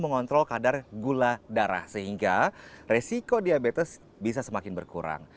mengontrol kadar gula darah sehingga resiko diabetes bisa semakin berkurang